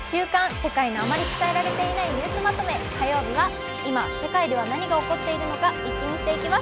世界のあまり伝えられていないニュースまとめ」火曜日は今、世界では何が起こっているのかイッキ見していきます。